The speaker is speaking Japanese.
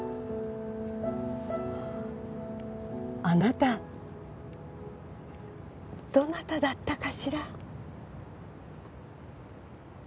あなたどなただったかしら？